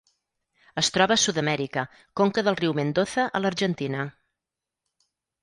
Es troba a Sud-amèrica: conca del riu Mendoza a l'Argentina.